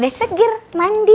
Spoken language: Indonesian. udah seger mandi